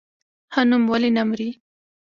ښه نوم ولې نه مري؟